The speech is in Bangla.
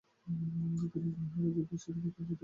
তিনি গোহালওয়ারের যুদ্ধে শিখদের কাছে পরাজিত হয়েছিলেন।